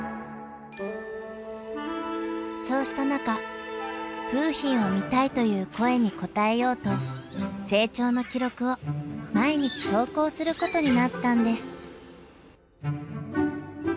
そうした中楓浜を見たいという声に応えようと成長の記録を毎日投稿することになったんです。